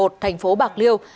thành phố bạc liêu